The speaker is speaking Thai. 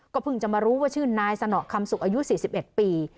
ก็เพิ่งจะมารู้ว่าชื่นนายสนอกคำศุกร์อายุสี่สิบเอ็ดปี